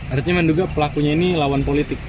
artinya menduga pelakunya ini lawan politik